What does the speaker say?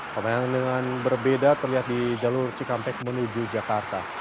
pemandangan dengan berbeda terlihat di jalur cikampek menuju jakarta